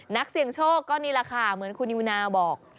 นักเสี่ยงโชคก็นี่แหละค่ะเหมือนคุณนิวนาบอก